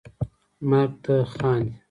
مرګ ته خاندي